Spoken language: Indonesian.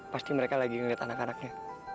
pasti mereka lagi ngeliat anak anaknya